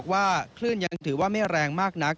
คลื่นยังถือว่าไม่แรงมากนัก